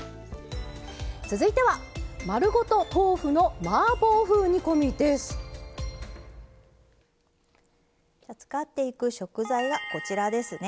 続いては使っていく食材はこちらですね。